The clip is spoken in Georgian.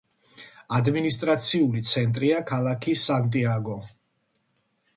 ადმინისტრაციული ცენტრია ქალაქი სანტიაგო.